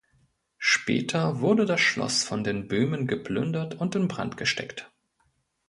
Später wurde das Schloss von den Böhmen geplündert und in Brand gesteckt.